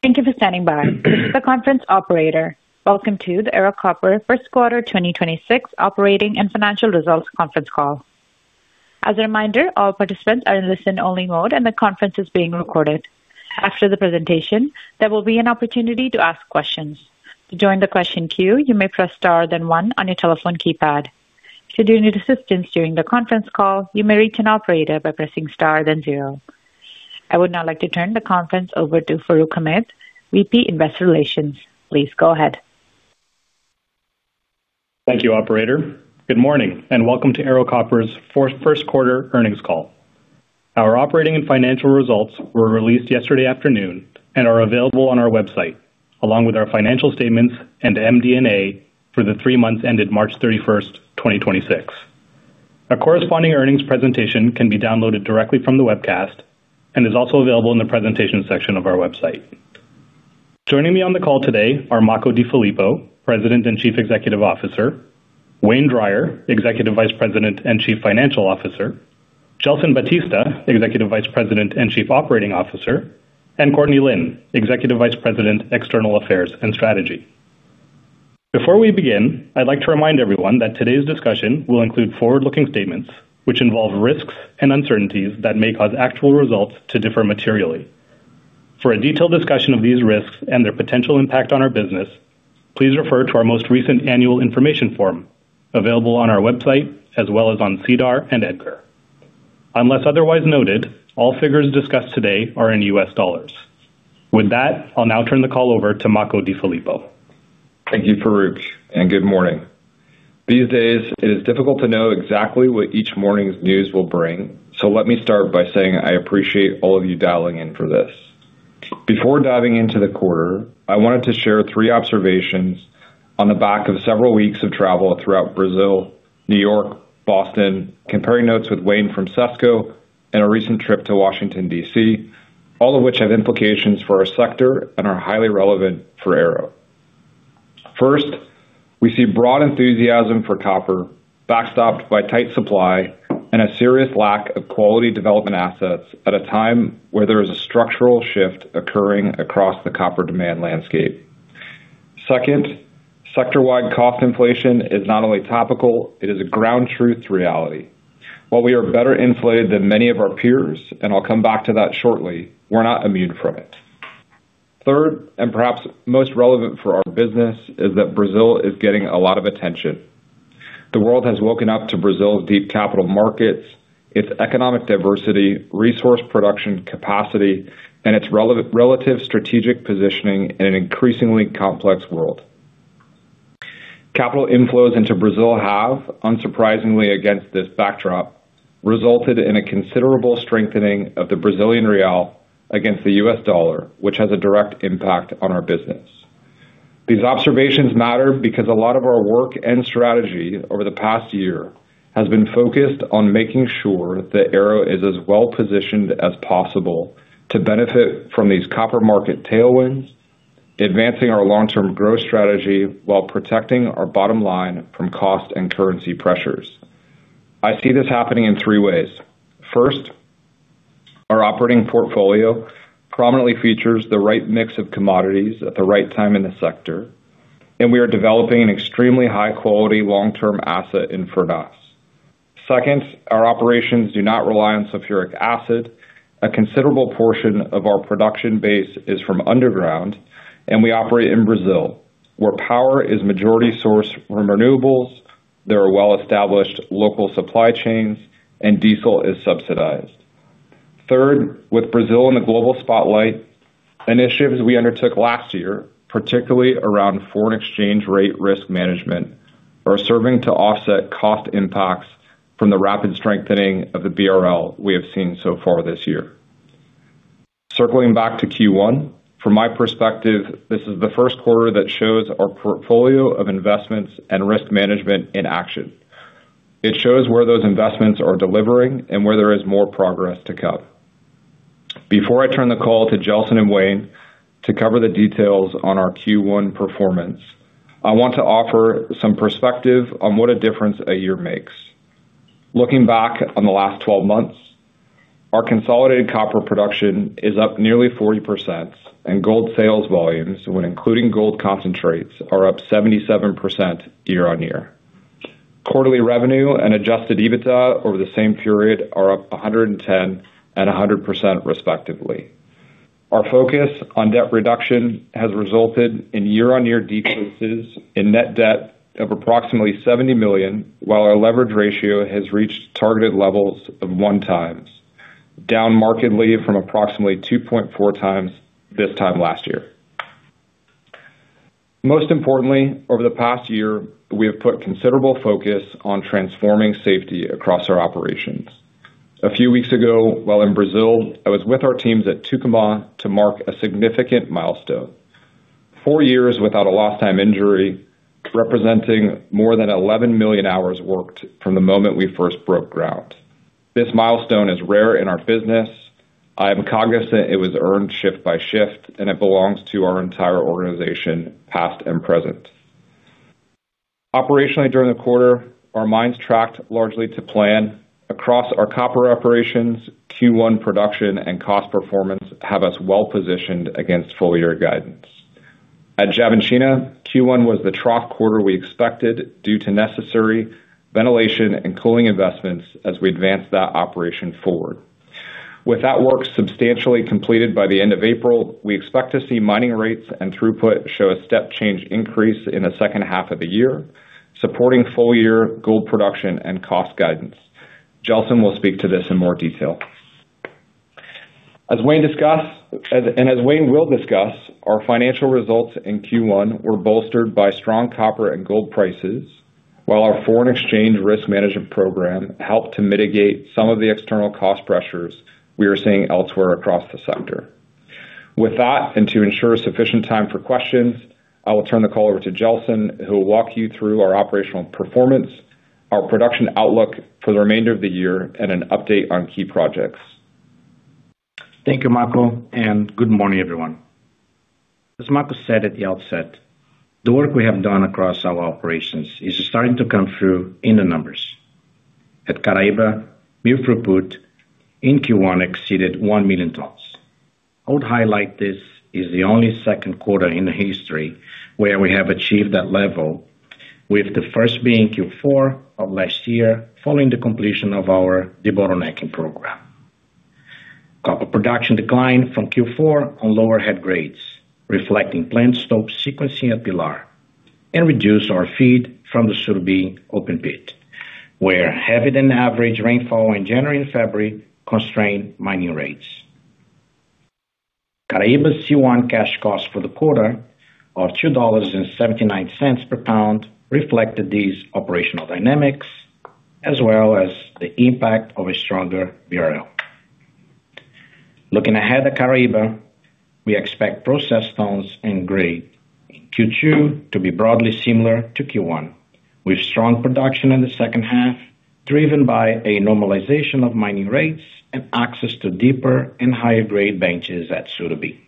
Thank you for standing by. This is the conference operator. Welcome to the Ero Copper first quarter 2026 operating and financial results conference call. As a reminder, all participants are in listen-only mode, and the conference is being recorded. After the presentation, there will be an opportunity to ask questions. To join the question queue, you may press star then one on your telephone keypad. Should you need assistant during the conference calI, you may reach on operator by pressing star and then zero. Would now like to turn the conference over to Farooq Hamed, VP, Investor Relations. Please go ahead. Thank you, operator. Good morning, and welcome to Ero Copper's first quarter earnings call. Our operating and financial results were released yesterday afternoon and are available on our website, along with our financial statements and MD&A for the three months ended March 31st, 2026. A corresponding earnings presentation can be downloaded directly from the webcast and is also available in the Presentation section of our website. Joining me on the call today are Makko DeFilippo, President and Chief Executive Officer, Wayne Drier, Executive Vice President and Chief Financial Officer, Gelson Batista, Executive Vice President and Chief Operating Officer, and Courtney Lynn, Executive Vice President, External Affairs and Strategy. Before we begin, I'd like to remind everyone that today's discussion will include forward-looking statements, which involve risks and uncertainties that may cause actual results to differ materially. For a detailed discussion of these risks and their potential impact on our business, please refer to our most recent annual information form available on our website, as well as on SEDAR and EDGAR. Unless otherwise noted, all figures discussed today are in U.S. dollars. With that, I'll now turn the call over to Makko DeFilippo. Thank you, Farooq. Good morning. These days, it is difficult to know exactly what each morning's news will bring. Let me start by saying I appreciate all of you dialing in for this. Before diving into the quarter, I wanted to share three observations on the back of several weeks of travel throughout Brazil, New York, Boston, comparing notes with Wayne from Cesco and a recent trip to Washington, D.C., all of which have implications for our sector and are highly relevant for Ero. First, we see broad enthusiasm for copper, backstopped by tight supply and a serious lack of quality development assets at a time where there is a structural shift occurring across the copper demand landscape. Second, sector-wide cost inflation is not only topical, it is a ground truth reality. While we are better inflated than many of our peers, and I'll come back to that shortly, we're not immune from it. Third, and perhaps most relevant for our business, is that Brazil is getting a lot of attention. The world has woken up to Brazil's deep capital markets, its economic diversity, resource production capacity, and its relative strategic positioning in an increasingly complex world. Capital inflows into Brazil have, unsurprisingly against this backdrop, resulted in a considerable strengthening of the Brazilian real against the U.S. dollar, which has a direct impact on our business. These observations matter because a lot of our work and strategy over the past year has been focused on making sure that Ero is as well-positioned as possible to benefit from these copper market tailwinds, advancing our long-term growth strategy while protecting our bottom line from cost and currency pressures. I see this happening in three ways. First, our operating portfolio prominently features the right mix of commodities at the right time in the sector, and we are developing an extremely high-quality long-term asset in Furnas. Second, our operations do not rely on sulfuric acid. A considerable portion of our production base is from underground, and we operate in Brazil, where power is majority sourced from renewables, there are well-established local supply chains, and diesel is subsidized. Third, with Brazil in the global spotlight, initiatives we undertook last year, particularly around foreign exchange rate risk management, are serving to offset cost impacts from the rapid strengthening of the BRL we have seen so far this year. Circling back to Q1, from my perspective, this is the first quarter that shows our portfolio of investments and risk management in action. It shows where those investments are delivering and where there is more progress to come. Before I turn the call to Gelson and Wayne to cover the details on our Q1 performance, I want to offer some perspective on what a difference a year makes. Looking back on the last 12 months, our consolidated copper production is up nearly 40%, and gold sales volumes, when including gold concentrates, are up 77% year-on-year. Quarterly revenue and adjusted EBITDA over the same period are up 110% and 100% respectively. Our focus on debt reduction has resulted in year-on-year decreases in net debt of approximately $70 million, while our leverage ratio has reached targeted levels of 1x, down markedly from approximately 2.4x this time last year. Most importantly, over the past year, we have put considerable focus on transforming safety across our operations. A few weeks ago, while in Brazil, I was with our teams at Tucumã to mark a significant milestone. four years without a lost time injury, representing more than 11 million hours worked from the moment we first broke ground. This milestone is rare in our business. I am cognizant it was earned shift by shift, and it belongs to our entire organization, past and present. Operationally during the quarter, our mines tracked largely to plan across our copper operations, Q1 production and cost performance have us well-positioned against full-year guidance. At Xavantina, Q1 was the trough quarter we expected due to necessary ventilation and cooling investments as we advance that operation forward. With that work substantially completed by the end of April, we expect to see mining rates and throughput show a step change increase in the second half of the year, supporting full-year gold production and cost guidance. Gelson will speak to this in more detail. As Wayne will discuss, our financial results in Q1 were bolstered by strong copper and gold prices, while our foreign exchange risk management program helped to mitigate some of the external cost pressures we are seeing elsewhere across the sector. With that, and to ensure sufficient time for questions, I will turn the call over to Gelson, who will walk you through our operational performance, our production outlook for the remainder of the year, and an update on key projects. Thank you, Makko. Good morning, everyone. As Makko said at the outset, the work we have done across our operations is starting to come through in the numbers. At Caraíba, new throughput in Q1 exceeded 1 million tons. I would highlight this is the only second quarter in the history where we have achieved that level, with the first being Q4 of last year following the completion of our debottlenecking program. Copper production declined from Q4 on lower head grades, reflecting plant stop sequencing at Pilar and reduced our feed from the Surubim open pit, where heavier than average rainfall in January and February constrained mining rates. Caraíba's C1 cash cost for the quarter of $2.79 per pound reflected these operational dynamics, as well as the impact of a stronger BRL. Looking ahead at Caraíba, we expect process tons and grade in Q2 to be broadly similar to Q1, with strong production in the second half, driven by a normalization of mining rates and access to deeper and higher grade benches at Surubim.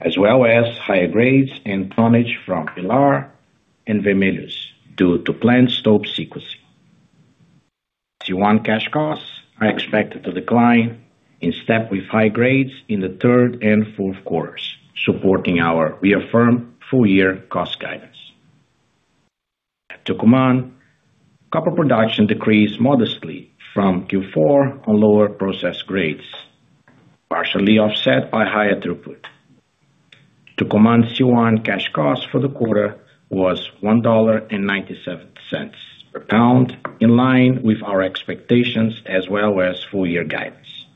As well as higher grades and tonnage from Pilar and Vermelhos due to plant stop sequencing. Q1 cash costs are expected to decline in step with high grades in the third and fourth quarters, supporting our reaffirmed full-year cost guidance. At Tucumã, copper production decreased modestly from Q4 on lower process grades, partially offset by higher throughput. Tucumã Q1 cash cost for the quarter was $1.97 per pound, in line with our expectations as well as full-year guidance.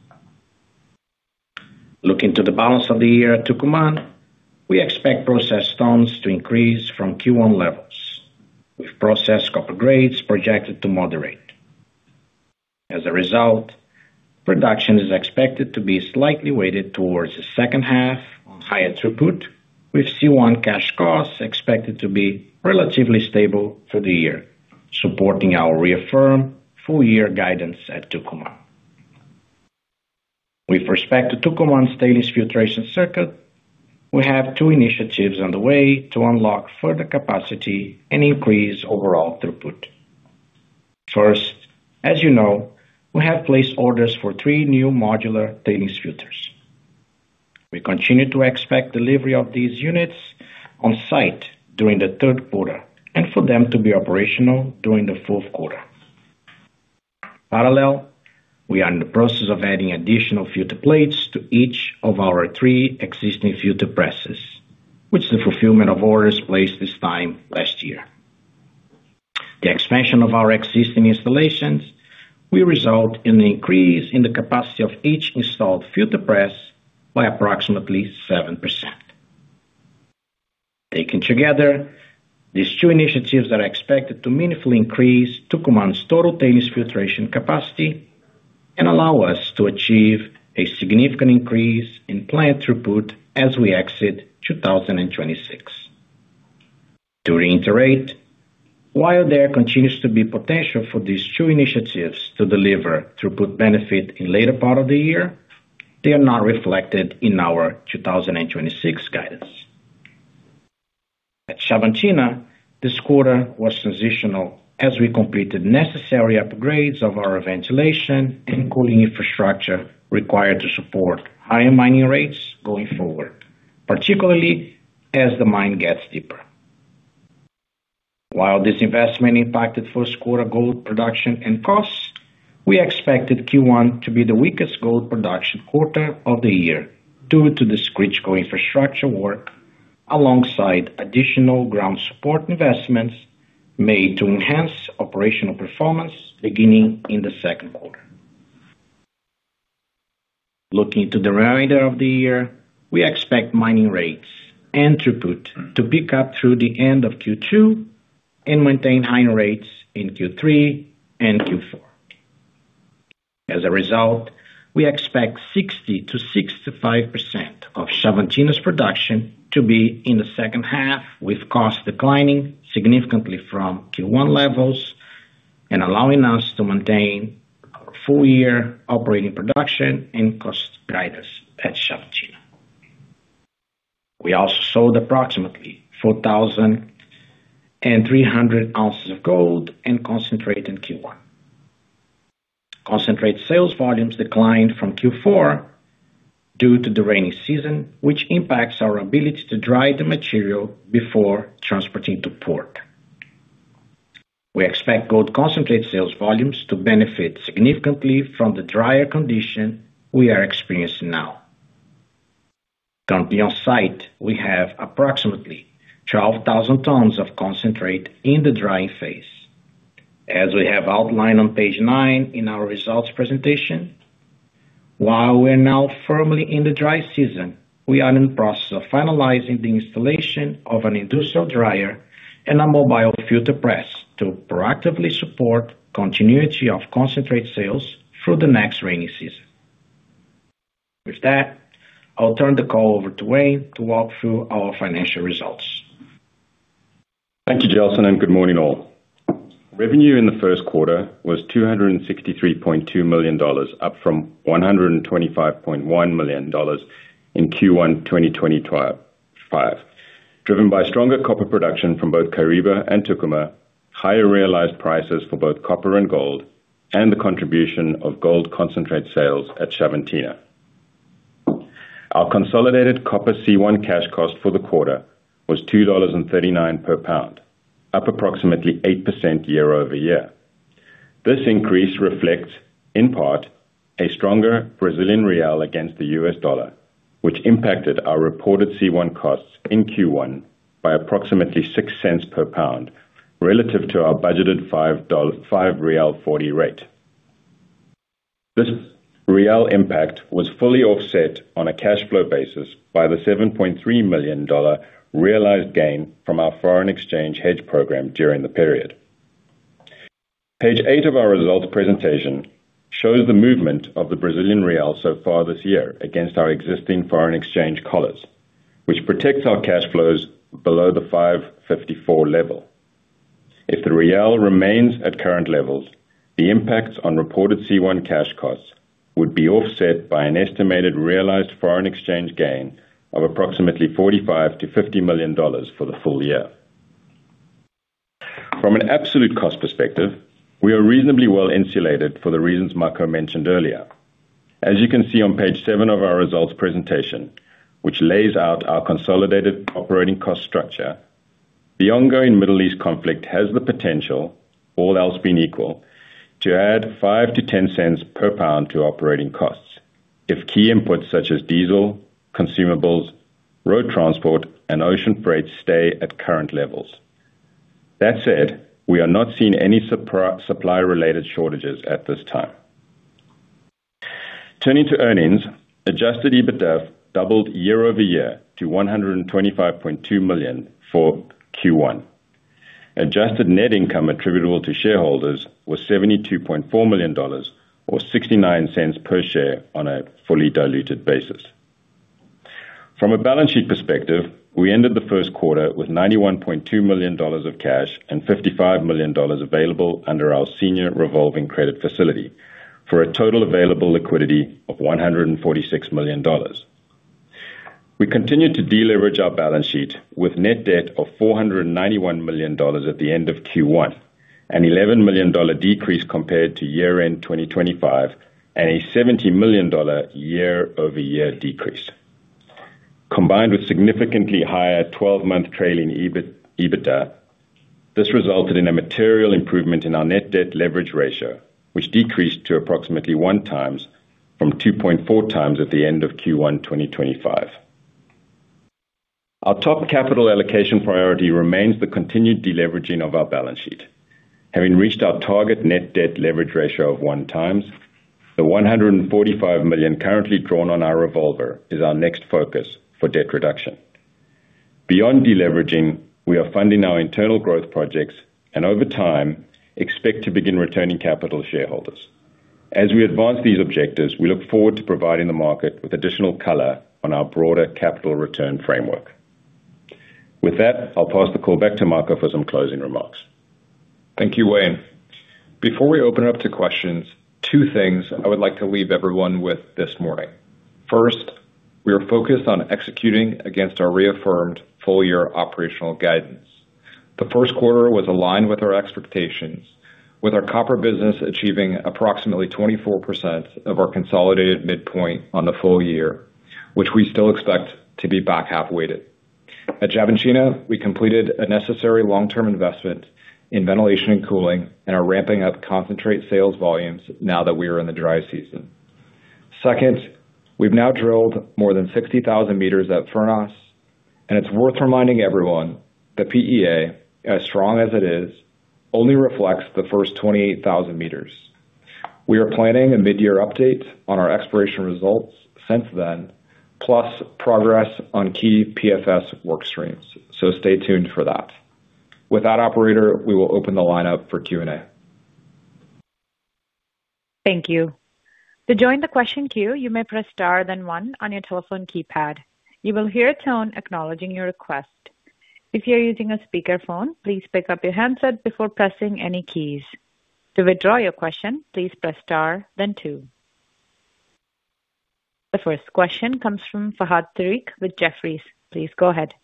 Looking to the balance of the year at Tucumã, we expect processed tons to increase from Q1 levels, with processed copper grades projected to moderate. As a result, production is expected to be slightly weighted towards the second half on higher throughput, with Q1 cash costs expected to be relatively stable for the year, supporting our reaffirmed full-year guidance at Tucumã. With respect to Tucumã's tailings filtration circuit, we have two initiatives on the way to unlock further capacity and increase overall throughput. First, as you know, we have placed orders for three new modular tailings filters. We continue to expect delivery of these units on-site during the third quarter and for them to be operational during the forth quarter. We are in the process of adding additional filter plates to each of our 3 existing filter presses, which the fulfillment of orders placed this time last year. The expansion of our existing installations will result in an increase in the capacity of each installed filter press by approximately 7%. Taken together, these two initiatives are expected to meaningfully increase Tucumã's total tailings filtration capacity and allow us to achieve a significant increase in plant throughput as we exit 2026. To reiterate, while there continues to be potential for these two initiatives to deliver throughput benefit in later part of the year, they are not reflected in our 2026 guidance. At Xavantina, this quarter was transitional as we completed necessary upgrades of our ventilation and cooling infrastructure required to support higher mining rates going forward, particularly as the mine gets deeper. While this investment impacted first quarter gold production and costs, we expected Q1 to be the weakest gold production quarter of the year due to this critical infrastructure work alongside additional ground support investments made to enhance operational performance beginning in the second quarter. Looking to the remainder of the year, we expect mining rates and throughput to pick up through the end of Q2 and maintain higher rates in Q3 and Q4. As a result, we expect 60%-65% of Xavantina's production to be in the second half, with costs declining significantly from Q1 levels and allowing us to maintain our full-year operating production and cost guidance at Xavantina. We also sold approximately 4,300 ounces of gold and concentrate in Q1. Concentrate sales volumes declined from Q4 due to the rainy season, which impacts our ability to dry the material before transporting to port. We expect gold concentrate sales volumes to benefit significantly from the drier condition we are experiencing now. Currently on site, we have approximately 12,000 tons of concentrate in the drying phase. As we have outlined on Page nine in our results presentation, while we are now firmly in the dry season, we are in the process of finalizing the installation of an industrial dryer and a mobile filter press to proactively support continuity of concentrate sales through the next rainy season. With that, I'll turn the call over to Wayne to walk through our financial results. Thank you, Gelson, and good morning all. Revenue in the first quarter was $263.2 million, up from $125.1 million in Q1 2025, driven by stronger copper production from both Caraíba and Tucumã, higher realized prices for both copper and gold, and the contribution of gold concentrate sales at Xavantina. Our consolidated copper C1 cash cost for the quarter was $2.39 per pound, up approximately 8% year-over-year. This increase reflects, in part, a stronger Brazilian real against the U.S. dollar, which impacted our reported C1 costs in Q1 by approximately $0.06 per pound relative to our budgeted 5.40 real rate. This Real impact was fully offset on a cash flow basis by the $7.3 million realized gain from our foreign exchange hedge program during the period. Page eight of our results presentation shows the movement of the Brazilian real so far this year against our existing foreign exchange collars, which protects our cash flows below the 5.54 level. If the Real remains at current levels, the impacts on reported C1 cash costs would be offset by an estimated realized foreign exchange gain of approximately $45 million-$50 million for the full year. From an absolute cost perspective, we are reasonably well-insulated for the reasons Makko mentioned earlier. As you can see on page seven of our results presentation, which lays out our consolidated operating cost structure, the ongoing Middle East conflict has the potential, all else being equal, to add $0.05-$0.10 per pound to operating costs if key inputs such as diesel, consumables, road transport, and ocean freight stay at current levels. That said, we are not seeing any supply-related shortages at this time. Turning to earnings, adjusted EBITDA doubled year-over-year to $125.2 million for Q1. Adjusted net income attributable to shareholders was $72.4 million or $0.69 per share on a fully diluted basis. From a balance sheet perspective, we ended the first quarter with $91.2 million of cash and $55 million available under our senior revolving credit facility for a total available liquidity of $146 million. We continued to deleverage our balance sheet with net debt of $491 million at the end of Q1, an $11 million decrease compared to year-end 2025, and a $70 million year-over-year decrease. Combined with significantly higher 12-month trailing EBIT, EBITDA, this resulted in a material improvement in our net debt leverage ratio, which decreased to approximately 1x from 2.4x at the end of Q1 2025. Our top capital allocation priority remains the continued deleveraging of our balance sheet. Having reached our target net debt leverage ratio of 1x, the $145 million currently drawn on our revolver is our next focus for debt reduction. Beyond deleveraging, we are funding our internal growth projects and over time, expect to begin returning capital to shareholders. As we advance these objectives, we look forward to providing the market with additional color on our broader capital return framework. With that, I'll pass the call back to Makko for some closing remarks. Thank you, Wayne. Before we open up to questions, two things I would like to leave everyone with this morning. First, we are focused on executing against our reaffirmed full-year operational guidance. The first quarter was aligned with our expectations, with our copper business achieving approximately 24% of our consolidated midpoint on the full year, which we still expect to be back half-weighted. At Xavantina, we completed a necessary long-term investment in ventilation and cooling and are ramping up concentrate sales volumes now that we are in the dry season. Second, we've now drilled more than 60,000 meters at Furnas, and it's worth reminding everyone that PEA, as strong as it is, only reflects the first 28,000 meters. We are planning a mid-year update on our exploration results since then, plus progress on key PFS work streams. Stay tuned for that. With that operator, we will open the line up for Q&A. Thank you. To join the question queue you may press star then one on your telephone keypad. You will here tone acknowledging you question. To withdraw you question please press star then two. The first question comes from Fahad Tariq with Jefferies. Please go ahead.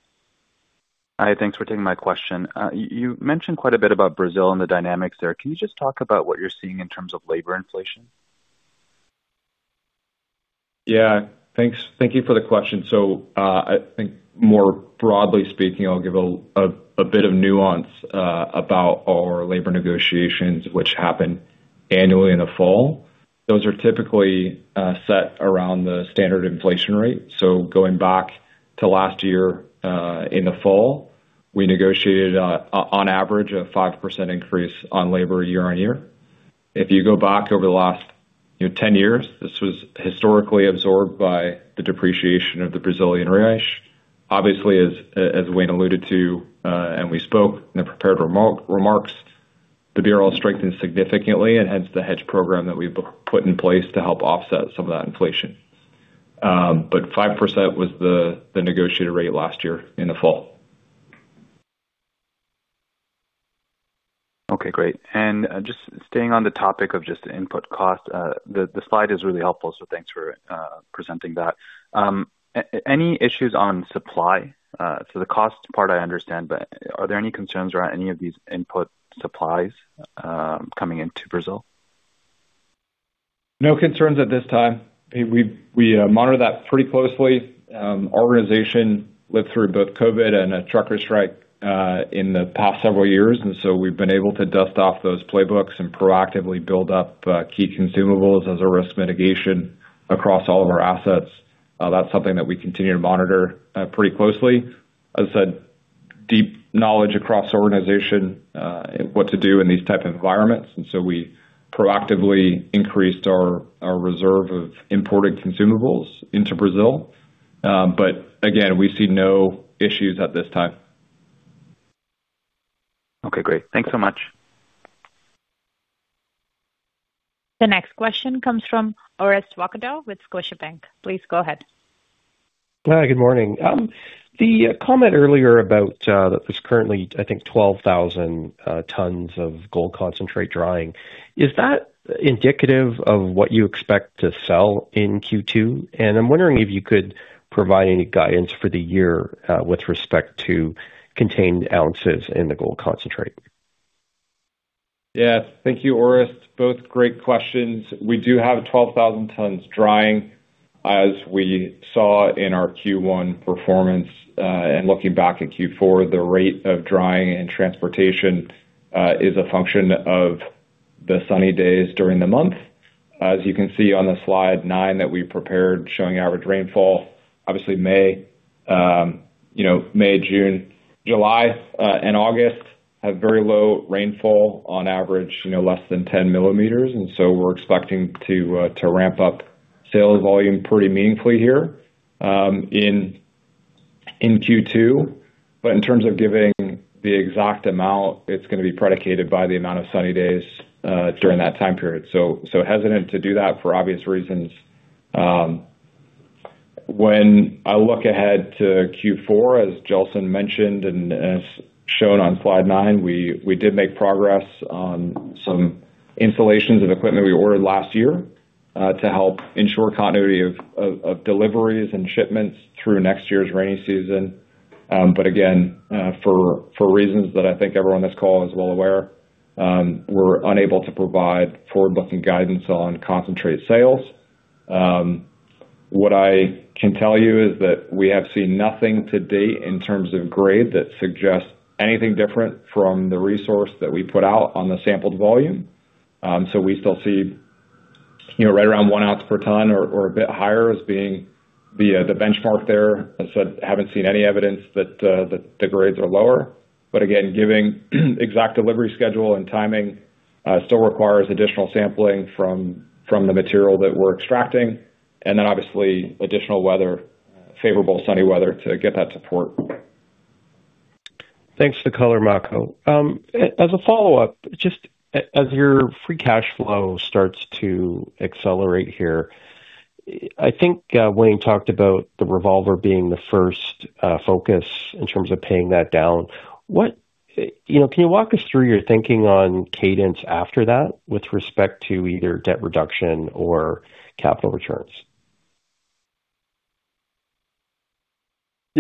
Hi. Thanks for taking my question. You mentioned quite a bit about Brazil and the dynamics there. Can you just talk about what you're seeing in terms of labor inflation? Yeah, thanks. Thank you for the question. I think more broadly speaking, I'll give a bit of nuance about our labor negotiations, which happen annually in the fall. Those are typically set around the standard inflation rate. Going back to last year, in the fall, we negotiated on average, a 5% increase on labor year-on-year. If you go back over the last, you know, 10 years, this was historically absorbed by the depreciation of the Brazilian real. Obviously, as Wayne alluded to, and we spoke in the prepared remarks, the BRL strengthened significantly and hence the hedge program that we put in place to help offset some of that inflation. 5% was the negotiated rate last year in the fall. Okay, great. Just staying on the topic of just input cost, the slide is really helpful, so thanks for presenting that. Any issues on supply? The cost part I understand, but are there any concerns around any of these input supplies coming into Brazil? No concerns at this time. We monitor that pretty closely. Our organization lived through both COVID and a trucker strike in the past several years, and so we've been able to dust off those playbooks and proactively build up key consumables as a risk mitigation across all of our assets. That's something that we continue to monitor pretty closely. As I said, deep knowledge across the organization, what to do in these type of environments. We proactively increased our reserve of imported consumables into Brazil. Again, we see no issues at this time. Okay, great. Thanks so much. The next question comes from Orest Wowkodaw with Scotiabank. Please go ahead. Hi, good morning. The comment earlier about that there's currently, I think, 12,000 tons of gold concentrate drying. Is that indicative of what you expect to sell in Q2? I'm wondering if you could provide any guidance for the year with respect to contained ounces in the gold concentrate. Yes. Thank you, Orest. Both great questions. We do have 12,000 tons drying. As we saw in our Q1 performance, and looking back at Q4, the rate of drying and transportation, is a function of the sunny days during the month. As you can see on the Slide nine that we prepared showing average rainfall, obviously May, you know, May, June, July, and August have very low rainfall on average, you know, less than 10 mm. We're expecting to ramp up sales volume pretty meaningfully here in Q2. In terms of giving the exact amount, it's gonna be predicated by the amount of sunny days during that time period. Hesitant to do that for obvious reasons. When I look ahead to Q4, as Gelson mentioned and as shown on Slide nine we did make progress on some installations of equipment we ordered last year to help ensure continuity of deliveries and shipments through next year's rainy season. Again, for reasons that I think everyone on this call is well aware, we're unable to provide forward-looking guidance on concentrate sales. What I can tell you is that we have seen nothing to date in terms of grade that suggests anything different from the resource that we put out on the sampled volume. We still see, you know, right around 1 ounce per ton or a bit higher as being the benchmark there. As I said, haven't seen any evidence that the grades are lower. Again, giving exact delivery schedule and timing, still requires additional sampling from the material that we're extracting, and then obviously additional weather, favorable sunny weather to get that support. Thanks for the color, Makko. As a follow-up, as your free cash flow starts to accelerate here, I think Wayne talked about the revolver being the first focus in terms of paying that down. You know, can you walk us through your thinking on cadence after that with respect to either debt reduction or capital returns?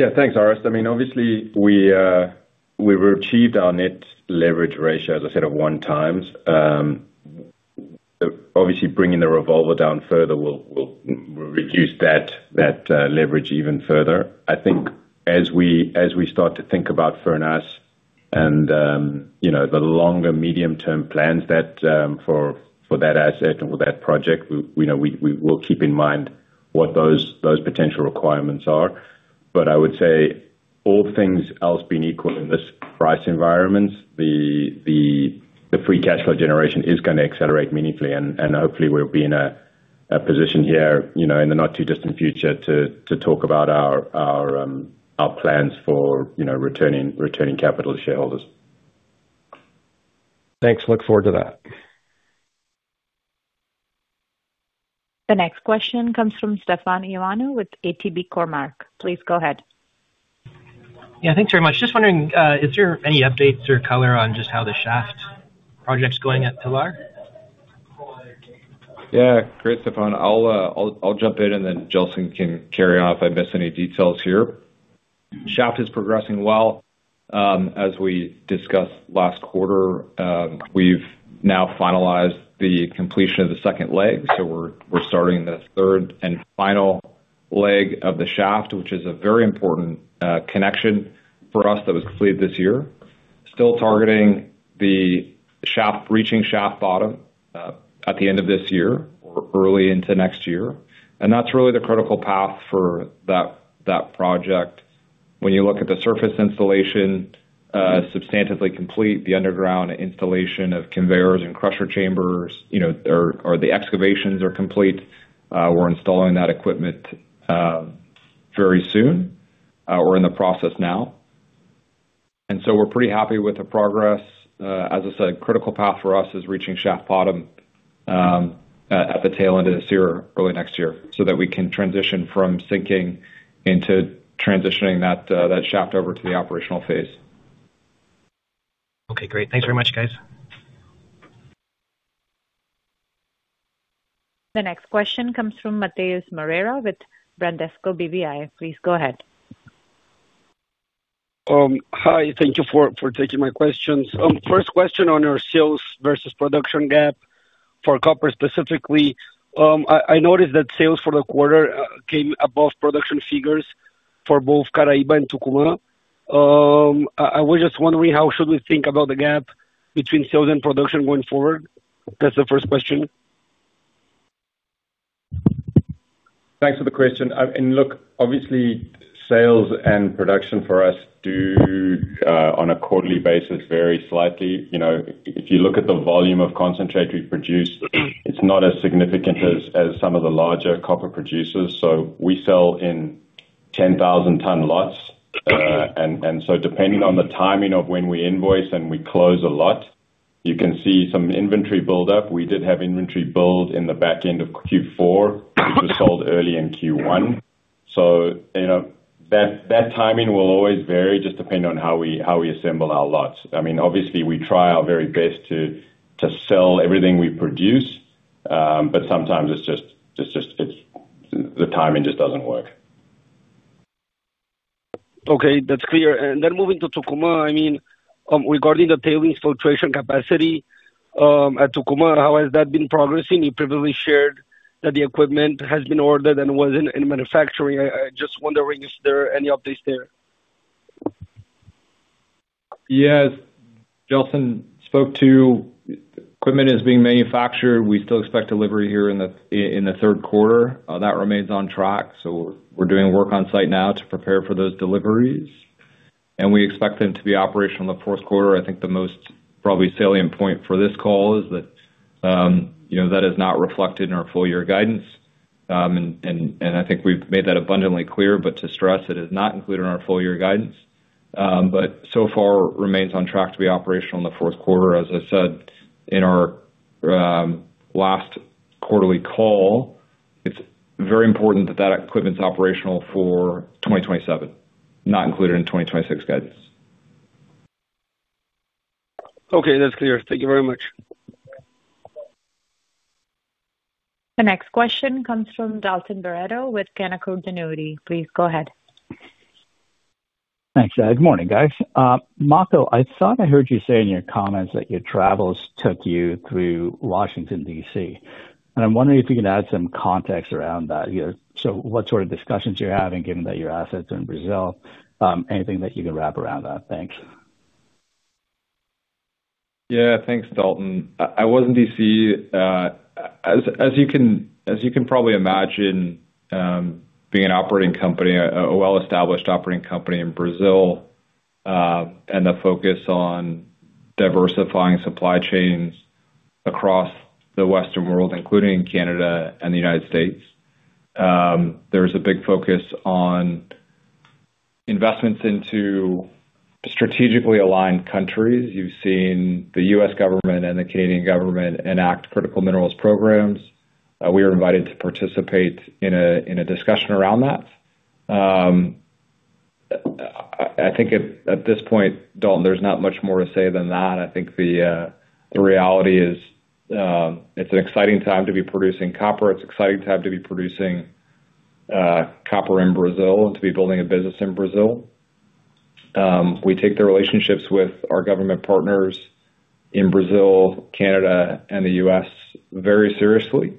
Thanks, Orest. I mean, obviously we've achieved our net leverage ratio, as I said, at 1x. Obviously bringing the revolver down further will reduce that leverage even further. I think as we start to think about Furnas and, you know, the longer medium-term plans that for that asset or that project, we know we will keep in mind what those potential requirements are. I would say all things else being equal in this price environment, the free cash flow generation is gonna accelerate meaningfully, and hopefully we'll be in a position here, you know, in the not too distant future to talk about our plans for, you know, returning capital to shareholders. Thanks. Look forward to that. The next question comes from Stefan Ioannou with ATB Cormark. Please go ahead. Yeah, thanks very much. Just wondering, is there any updates or color on just how the shaft project's going at Pilar? Yeah. Great, Stefan. I'll jump in and then Gelson can carry off if I miss any details here. Shaft is progressing well. As we discussed last quarter, we've now finalized the completion of the second leg, so we're starting the third and final leg of the shaft, which is a very important connection for us that was completed this year. Still targeting the shaft, reaching shaft bottom at the end of this year or early into next year. That's really the critical path for that project. When you look at the surface installation, substantively complete the underground installation of conveyors and crusher chambers, you know, or the excavations are complete. We're installing that equipment very soon. We're in the process now. We're pretty happy with the progress. As I said, critical path for us is reaching shaft bottom, at the tail end of this year or early next year, so that we can transition from sinking into transitioning that shaft over to the operational phase. Great. Thanks very much, guys. The next question comes from Matheus Moreira with Bradesco BBI. Please go ahead. Hi. Thank you for taking my questions. First question on your sales versus production gap for copper specifically. I noticed that sales for the quarter came above production figures for both Caraíba and Tucumã. I was just wondering how should we think about the gap between sales and production going forward? That's the first question. Thanks for the question. Look, obviously, sales and production for us do, on a quarterly basis, vary slightly. You know, if you look at the volume of concentrate we produce, it's not as significant as some of the larger copper producers. We sell in 10,000 ton lots. Depending on the timing of when we invoice and we close a lot, you can see some inventory buildup. We did have inventory build in the back end of Q4, which was sold early in Q1. You know, that timing will always vary just depending on how we assemble our lots. I mean, obviously we try our very best to sell everything we produce, but sometimes the timing just doesn't work. That's clear. Moving to Tucumã, I mean, regarding the tailings filtration capacity at Tucumã, how has that been progressing? You previously shared that the equipment has been ordered and was in manufacturing. I just wondering, is there any updates there? Yes. Gelson spoke to equipment is being manufactured. We still expect delivery here in the third quarter. That remains on track, so we're doing work on site now to prepare for those deliveries, and we expect them to be operational in the fourth quarter. I think the most probably salient point for this call is that, you know, that is not reflected in our full year guidance. I think we've made that abundantly clear, but to stress it is not included in our full year guidance. So far remains on track to be operational in the fourth quarter. As I said in our last quarterly call, it's very important that that equipment's operational for 2027, not included in 2026 guidance. Okay, that's clear. Thank you very much. The next question comes from Dalton Baretto with Canaccord Genuity. Please go ahead. Thanks. Good morning, guys. Makko, I thought I heard you say in your comments that your travels took you through Washington D.C. I'm wondering if you can add some context around that. You know, what sort of discussions you're having, given that your assets are in Brazil, anything that you can wrap around that. Thanks. Thanks, Dalton. I was in D.C., as you can probably imagine, being an operating company, a well-established operating company in Brazil, and the focus on diversifying supply chains across the western world, including Canada and the United States, there's a big focus on investments into strategically aligned countries. You've seen the U.S. government and the Canadian government enact critical minerals programs. We were invited to participate in a discussion around that. I think at this point, Dalton, there's not much more to say than that. I think the reality is, it's an exciting time to be producing copper. It's an exciting time to be producing copper in Brazil and to be building a business in Brazil. We take the relationships with our government partners in Brazil, Canada, and the U.S. very seriously.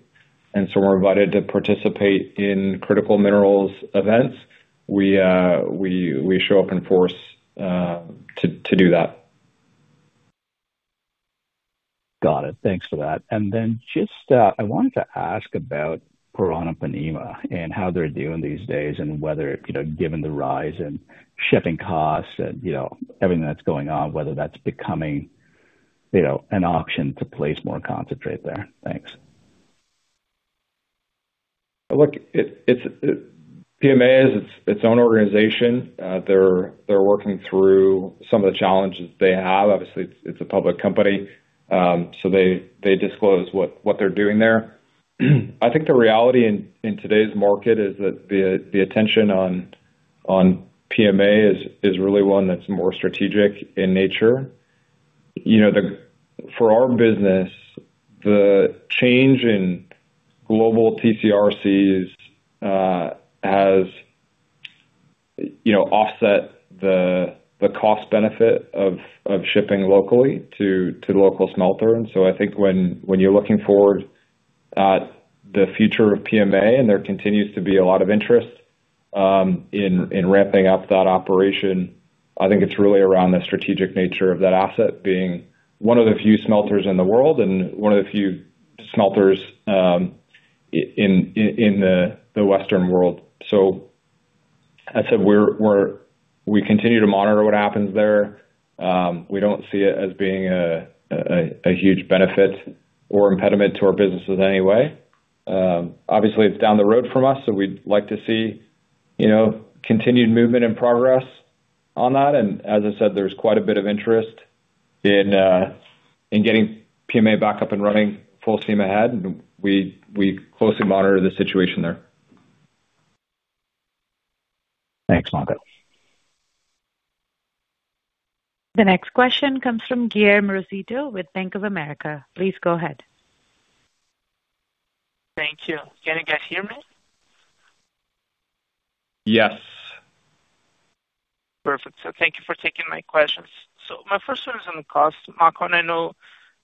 We're invited to participate in critical minerals events. We show up in force to do that. Got it. Thanks for that. I wanted to ask about Paranapanema and how they're doing these days, and whether, you know, given the rise in shipping costs and, you know, everything that's going on, whether that's becoming, you know, an option to place more concentrate there. Thanks. Look, it's Paranapanema is its own organization. They're working through some of the challenges they have. Obviously, it's a public company, so they disclose what they're doing there. I think the reality in today's market is that the attention on Paranapanema is really one that's more strategic in nature. You know, for our business, the change in global TCRCs has, you know, offset the cost benefit of shipping locally to the local smelter. I think when you're looking forward at the future of PMA, and there continues to be a lot of interest, in ramping up that operation, I think it's really around the strategic nature of that asset being one of the few smelters in the world and one of the few smelters, in the Western world. As I said, we continue to monitor what happens there. We don't see it as being a huge benefit or impediment to our businesses in any way. Obviously, it's down the road from us, so we'd like to see, you know, continued movement and progress on that. As I said, there's quite a bit of interest in getting PMA back up and running full steam ahead. We closely monitor the situation there. Thanks, Makko. The next question comes from Guilherme Rosito with Bank of America. Please go ahead. Thank you. Can you guys hear me? Yes. Perfect. Thank you for taking my questions. My first one is on cost. Makko, I know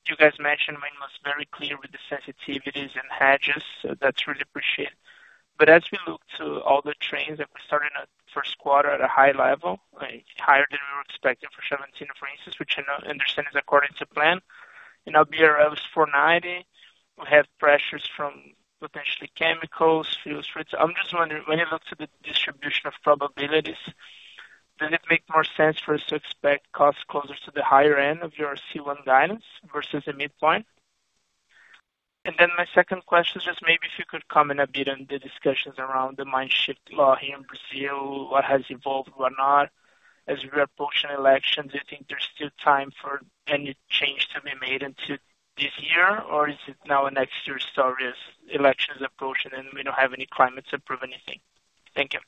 you guys mentioned mine was very clear with the sensitivities and hedges, so that's really appreciated. As we look to all the trends that we're starting at first quarter at a high level, like higher than we were expecting for Xavantina, for instance, which I know, understand is according to plan. You know, BRL is 4.90 BRL. We have pressures from potentially chemicals, fuel surcharges. I'm just wondering, when you look to the distribution of probabilities, does it make more sense for us to expect costs closer to the higher end of your C1 guidance versus the midpoint? My second question is just maybe if you could comment a bit on the discussions around the mine shift law here in Brazil, what has evolved, what not. As we approach elections, do you think there's still time for any change to be made into this year, or is it now a next year story as elections approach and we don't have any climate to prove anything? Thank you.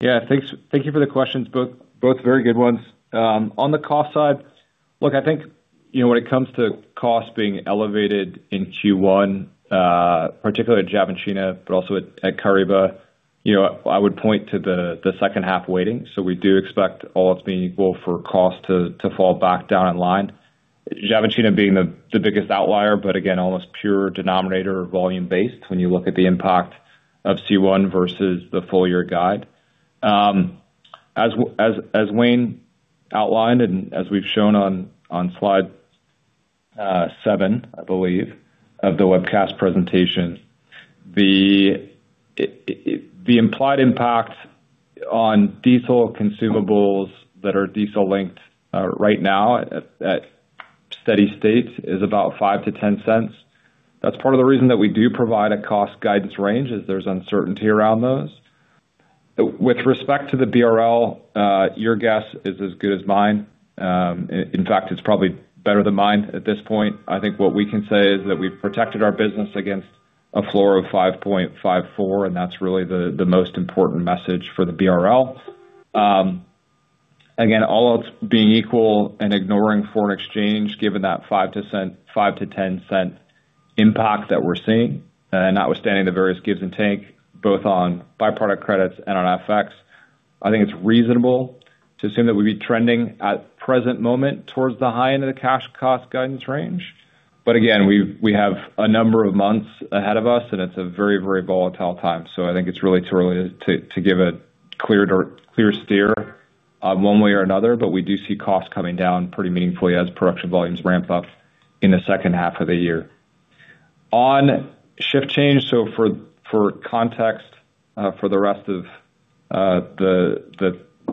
Thanks. Thank you for the questions. Both very good ones. On the cost side, look, I think, you know, when it comes to cost being elevated in Q1, particularly at Xavantina, but also at Caraíba, you know, I would point to the second half waiting. We do expect all else being equal for cost to fall back down in line. Xavantina being the biggest outlier, but again, almost pure denominator volume-based when you look at the impact of C1 versus the full year guide. As Wayne outlined and as we've shown on Slide seven, I believe, of the webcast presentation, the implied impact on diesel consumables that are diesel linked right now at steady state is about $0.05-$0.10. That's part of the reason that we do provide a cost guidance range, is there's uncertainty around those. With respect to the BRL, your guess is as good as mine. In fact, it's probably better than mine at this point. I think what we can say is that we've protected our business against a floor of 5.54, and that's really the most important message for the BRL. Again, all else being equal and ignoring foreign exchange, given that $0.05-$0.10 impact that we're seeing, notwithstanding the various gives and take both on byproduct credits and on FX, I think it's reasonable to assume that we'd be trending at present moment towards the high end of the cash cost guidance range. Again, we have a number of months ahead of us, and it's a very, very volatile time. I think it's really too early to give a clear steer one way or another. We do see costs coming down pretty meaningfully as production volumes ramp up in the second half of the year. On shift change, for context, for the rest of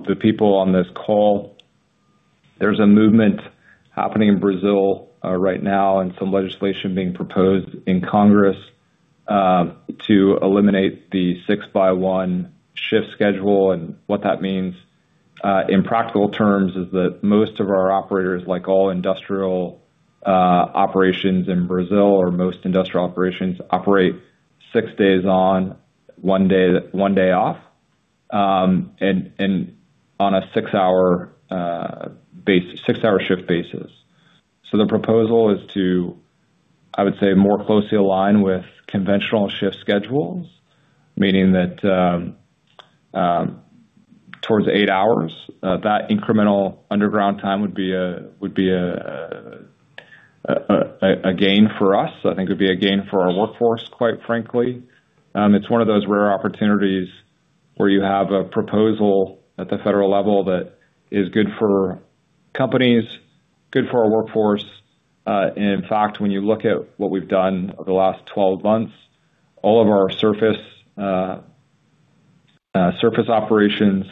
the people on this call, there's a movement happening in Brazil right now and some legislation being proposed in Congress to eliminate the six by one shift schedule. What that means in practical terms is that most of our operators, like all industrial operations in Brazil or most industrial operations, operate six days on, one day off, and on a six-hour shift basis. The proposal is to, I would say, more closely align with conventional shift schedules, meaning that, towards 8 hours, that incremental underground time would be a gain for us. I think it would be a gain for our workforce, quite frankly. It's one of those rare opportunities where you have a proposal at the federal level that is good for companies, good for our workforce. In fact, when you look at what we've done over the last 12 months, all of our surface operations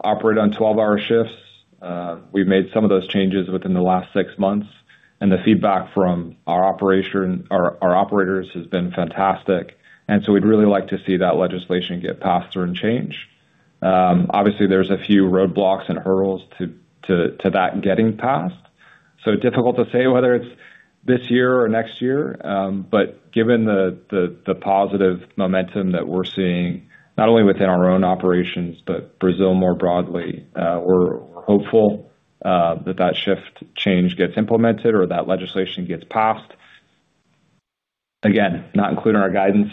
operate on 12-hour shifts. We've made some of those changes within the last six months, and the feedback from our operators has been fantastic. We'd really like to see that legislation get passed through and change. Obviously, there's a few roadblocks and hurdles to that getting passed. Difficult to say whether it's this year or next year. Given the positive momentum that we're seeing, not only within our own operations, but Brazil more broadly, we're hopeful that that shift change gets implemented or that legislation gets passed. Again, not including our guidance,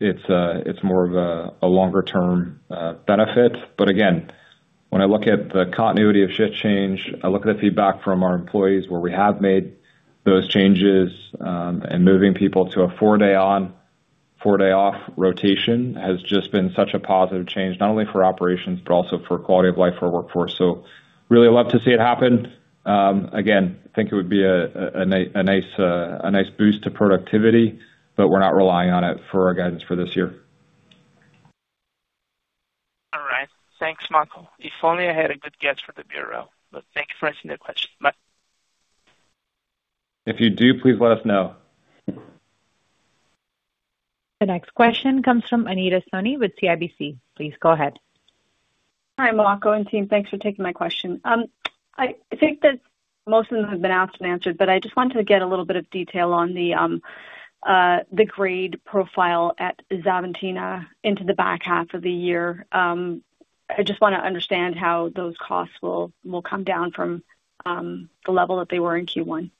it's more of a longer-term benefit. Again, when I look at the continuity of shift change, I look at the feedback from our employees where we have made those changes, and moving people to a four day on, four day off rotation has just been such a positive change, not only for operations, but also for quality of life for our workforce. Really love to see it happen. Again, I think it would be a nice boost to productivity. We're not relying on it for our guidance for this year. All right. Thanks, Makko. If only I had a good guess for the BRL. Thank you for answering the question. Bye. If you do, please let us know. The next question comes from Anita Soni with CIBC. Please go ahead. Hi, Makko and team. Thanks for taking my question. I think that most of them have been asked and answered, I just wanted to get a little bit of detail on the grade profile at Xavantina into the back half of the year. I just wanna understand how those costs will come down from the level that they were in Q1.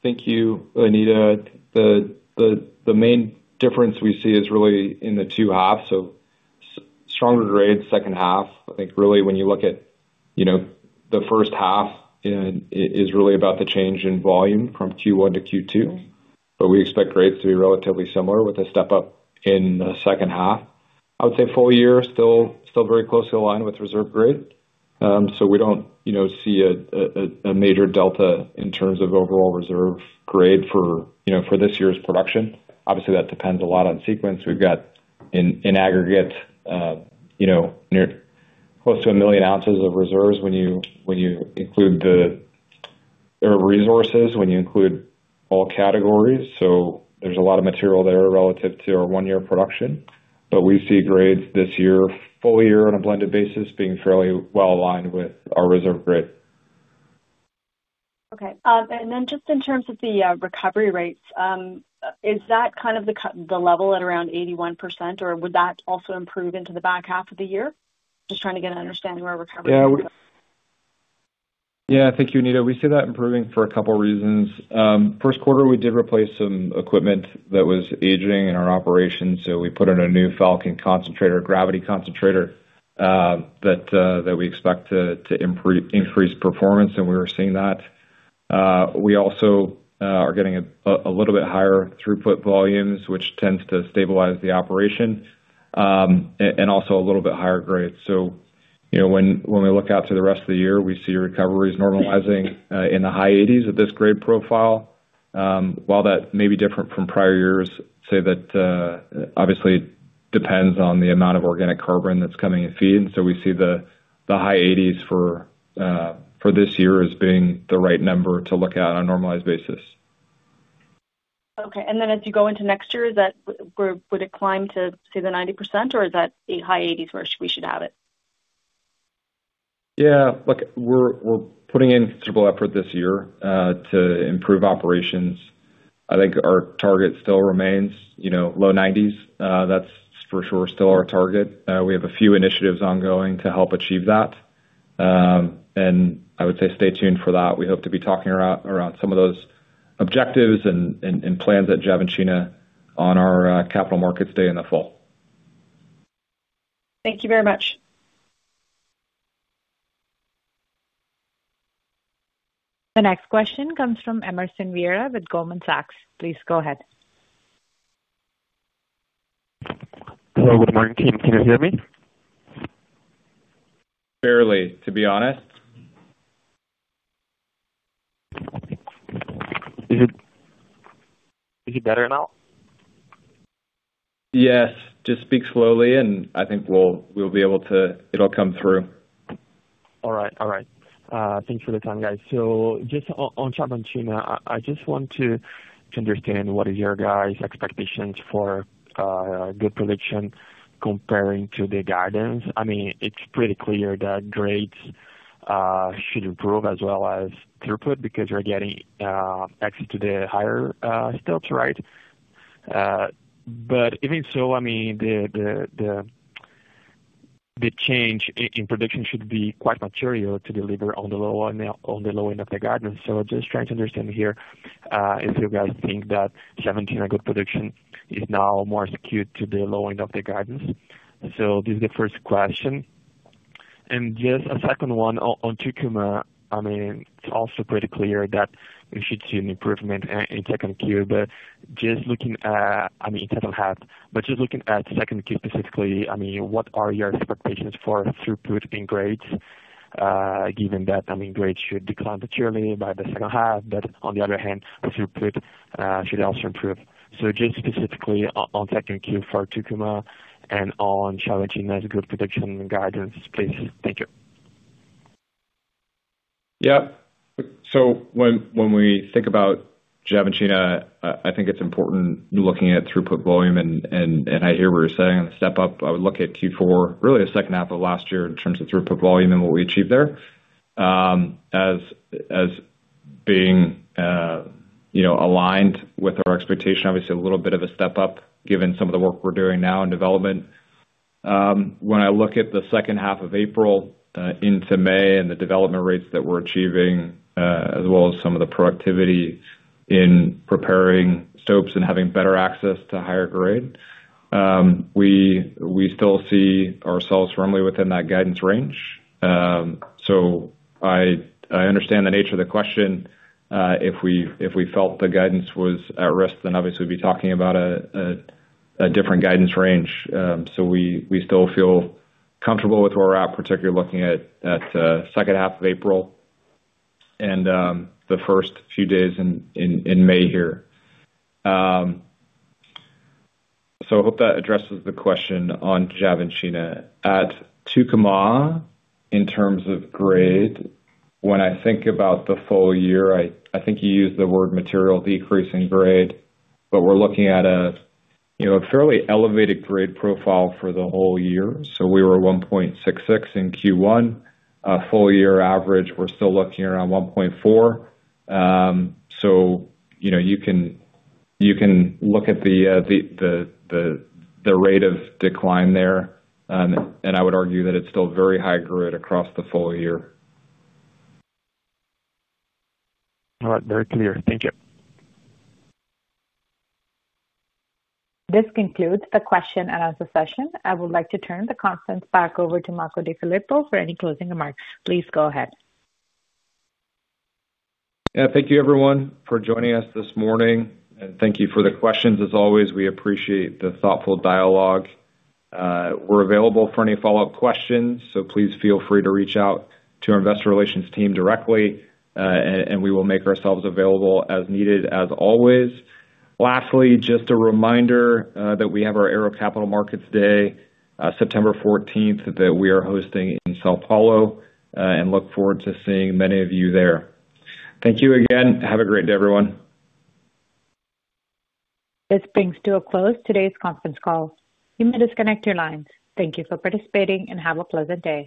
Thank you, Anita. The main difference we see is really in the two halves, so stronger grades second half. I think really when you look at, you know, the firsr half and is really about the change in volume from Q1-Q2. We expect grades to be relatively similar with a step up in the second half. I would say full year still very closely aligned with reserve grade. We don't, you know, see a major delta in terms of overall reserve grade for, you know, for this year's production. Obviously, that depends a lot on sequence. We've got in aggregate, you know, near close to 1 million ounces of reserves when you include the resources, when you include all categories. There's a lot of material there relative to our one-year production. We see grades this year, full year on a blended basis, being fairly well aligned with our reserve grade. Okay. Just in terms of the recovery rates, is that kind of the level at around 81%, or would that also improve into the back half of the year? Just trying to get an understanding where recovery is going. Yeah. Yeah. Thank you, Anita. We see that improving for a couple reasons. First quarter, we did replace some equipment that was aging in our operations, so we put in a new Falcon concentrator, gravity concentrator, that we expect to increase performance, and we were seeing that. We also are getting a little bit higher throughput volumes, which tends to stabilize the operation, and also a little bit higher grades. You know, when we look out to the rest of the year, we see recoveries normalizing in the high 80s at this grade profile. While that may be different from prior years, say that, obviously it depends on the amount of organic carbon that's coming in feed. We see the high 80s for this year as being the right number to look at on a normalized basis. Okay. As you go into next year, that would it climb to say the 90%, or is that the high 80s where we should have it? Yeah. Look, we're putting in considerable effort this year to improve operations. I think our target still remains, you know, low 90s. That's for sure still our target. We have a few initiatives ongoing to help achieve that. I would say stay tuned for that. We hope to be talking around some of those objectives and plans at Xavantina on our Capital Markets Day in the fall. Thank you very much. The next question comes from Emerson Vieira with Goldman Sachs. Please go ahead. Hello. Good morning, team. Can you hear me? Barely, to be honest. Is it better now? Yes. Just speak slowly, and I think we'll be able to. It'll come through. All right. All right. Thanks for the time, guys. Just on Xavantina, I just want to understand what is your guys' expectations for gold production comparing to the guidance. I mean, it's pretty clear that grades should improve as well as throughput because you're getting access to the higher stopes, right? Even so, I mean, the change in production should be quite material to deliver on the low end of the guidance. Just trying to understand here, if you guys think that Xavantina gold production is now more skewed to the low end of the guidance. This is the first question. Just a second one on Tucumã. I mean, it's also pretty clear that we should see an improvement in second Q, just looking at, I mean, second half. Just looking at second Q specifically, I mean, what are your expectations for throughput in grades, given that, I mean, grades should decline materially by the second half, but on the other hand, the throughput should also improve. So just specifically on second Q for Tucumã and on Xavantina's group production guidance, please. Thank you. Yeah. When we think about Xavantina, I think it's important looking at throughput volume and I hear what you're saying on the step-up. I would look at Q4, really the second half of last year in terms of throughput volume and what we achieved there, as being, you know, aligned with our expectation. Obviously, a little bit of a step-up given some of the work we're doing now in development. When I look at the second half of April, into May and the development rates that we're achieving, as well as some of the productivity in preparing stopes and having better access to higher grade, we still see ourselves firmly within that guidance range. I understand the nature of the question. If we felt the guidance was at risk, then obviously we'd be talking about a different guidance range. We still feel comfortable with where we're at, particularly looking at second half of April and the first few days in May here. I hope that addresses the question on Xavantina. At Tucumã, in terms of grade, when I think about the full year, I think you used the word material decrease in grade, but we're looking at a, you know, a fairly elevated grade profile for the whole year. We were at 1.66 in Q1. Full year average, we're still looking around 1.4. You know, you can look at the rate of decline there, and I would argue that it's still very high grade across the full year. All right. Very clear. Thank you. This concludes the question-and-answer session. I would like to turn the conference back over to Makko DeFilippo for any closing remarks. Please go ahead. Thank you everyone for joining us this morning. Thank you for the questions. As always, we appreciate the thoughtful dialogue. We're available for any follow-up questions. Please feel free to reach out to our investor relations team directly. We will make ourselves available as needed as always. Lastly, just a reminder that we have our Ero Capital Markets Day, September 14th, that we are hosting in São Paulo. Look forward to seeing many of you there. Thank you again. Have a great day, everyone. This brings to a close today's conference call. You may disconnect your lines. Thank you for participating, and have a pleasant day.